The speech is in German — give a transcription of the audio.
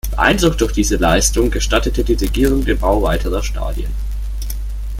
Beeindruckt durch diese Leistung, gestattete die Regierung den Bau weiterer Stadien.